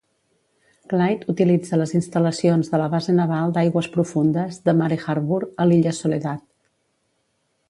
"Clyde" utilitza les instal·lacions de la base naval d'aigües profundes de Mare Harbour, a l'Illa Soledad.